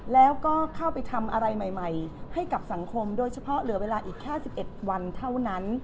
แล้วก็เข้าไปทำอะไรใหม่ให้กับสังคมโดยเฉพาะเหลือเวลาอีกแค่๑๑วันเท่านั้น